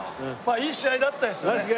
いい試合だったですよね。